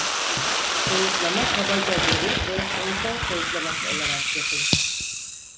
Soyutlama kabaca veri ve kontrol soyutlaması olarak yapılır.